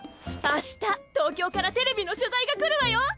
明日東京からテレビの取材が来るわよ！